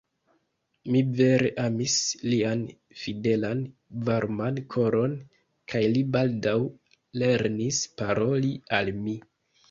Mi vere amis lian fidelan varman koron, kaj li baldaŭ lernis paroli al mi.